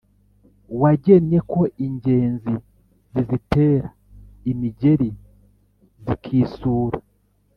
Wagennye ko ingenzi zizitera imigeri zikisura